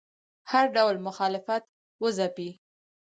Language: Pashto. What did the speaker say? هر ډول مخالفت وځپي